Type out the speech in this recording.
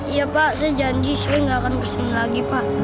iya pak saya janji saya enggak akan ke sini lagi pak